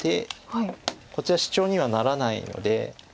こちらシチョウにはならないので。